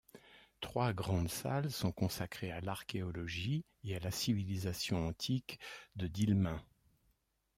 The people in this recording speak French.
Trois grandes salles sont consacrées à l'archéologie et à la civilisation antique de Dilmun.